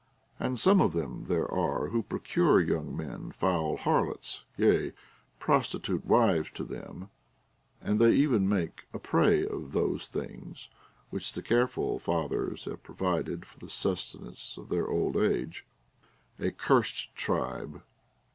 And some of them there are Avho procure young men foul harlots, yea, prostitute wives to them ; and they even make a prey of those things which the careful fathers have provided for the sustenance of their 30 OF THE TRAINING OF CHILDREN old age. A cursed tribe